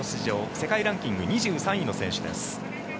世界ランキング２３位の選手です。